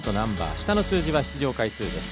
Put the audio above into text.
下の数字は出場回数です。